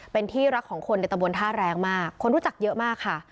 เป็นที่รักของคนในตะบนท่าแรงมากคนรู้จักเยอะมากค่ะ